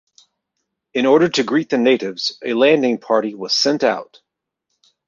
In order to greet the natives a landing party was sent out.